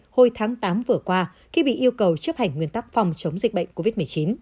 hồi tháng tám vừa qua khi bị yêu cầu chấp hành nguyên tắc phòng chống dịch bệnh covid một mươi chín